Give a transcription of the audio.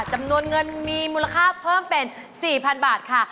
จำนวนเงินมีมูลค่าเพิ่มเป็น๔๐๐๐บาทค่ะ